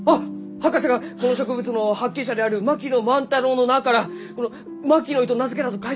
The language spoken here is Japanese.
博士がこの植物の発見者である槙野万太郎の名からこの「マキノイ」と名付けたと書いちゅうき。